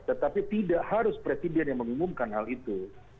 tetapi tidak harus presiden yang mengumumkan hal itu